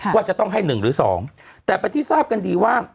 ว่าจะต้องให้๑หรือ๒แต่เป็นที่ทราบกันดีว่า